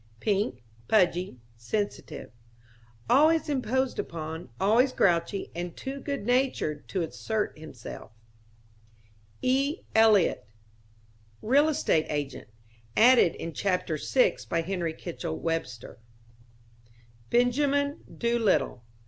Pink, pudgy, sensitive; always imposed upon, always grouchy and too good natured to assert himself. E. Eliot.... Real estate agent (added in Chapter VI by Henry Kitchell Webster). Benjamin Doolittle....